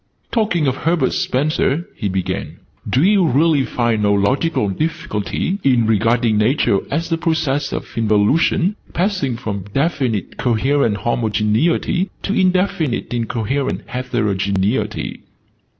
"Talking of Herbert Spencer," he began, "do you really find no logical difficulty in regarding Nature as a process of involution, passing from definite coherent homogeneity to indefinite incoherent heterogeneity?"